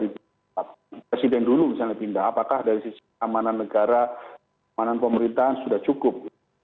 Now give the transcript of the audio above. presiden dulu misalnya pindah apakah dari sisi keamanan negara keamanan pemerintahan sudah cukup